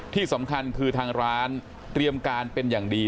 ที่สำคัญคือทางร้านเตรียมการเป็นอย่างดี